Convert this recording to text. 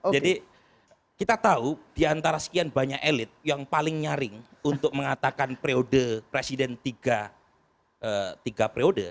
jadi kita tahu di antara sekian banyak elit yang paling nyaring untuk mengatakan periode presiden tiga periode